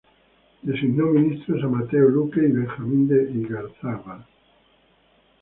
Designó ministros a Mateo Luque y Benjamín de Igarzábal.